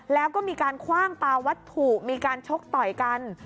แล้วก็มีการคว่างปลาวัตถุมีการชกต่อยกัน